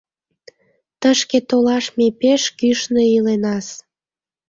Тышке толаш ме пеш кӱшнӧ иленас.